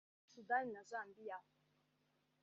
Sudani na Zambia